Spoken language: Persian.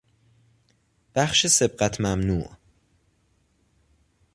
بخش سبقت ممنوع